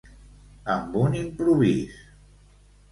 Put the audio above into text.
Amb un improvís.